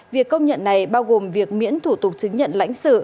việc công nhận này bao gồm việc miễn thủ tục chứng nhận lãnh sự